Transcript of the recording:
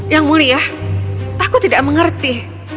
yang mulia aku tidak mengerti